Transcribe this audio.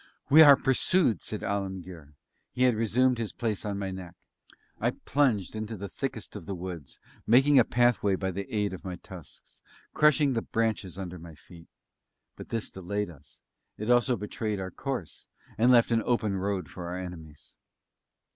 "We are pursued," said Alemguir. He had resumed his place on my neck. I plunged into the thickest of the woods, making a pathway by the aid of my tusks, crushing the branches under my feet. But this delayed us; it also betrayed our course, and left an open road for our enemies.